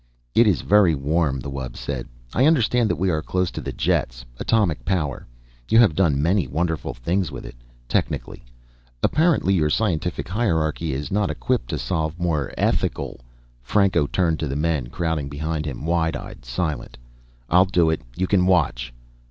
"It is very warm," the wub said. "I understand that we are close to the jets. Atomic power. You have done many wonderful things with it technically. Apparently, your scientific hierarchy is not equipped to solve moral, ethical " Franco turned to the men, crowding behind him, wide eyed, silent. "I'll do it. You can watch."